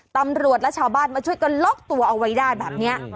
ตำรวจและชาวบ้านมาช่วยกันล็อกตัวเอาไว้ได้แบบนี้